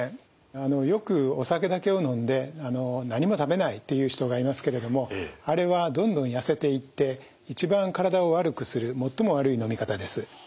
あのよくお酒だけを飲んで何も食べないという人がいますけれどもあれはどんどん痩せていって一番体を悪くする最も悪い飲み方です。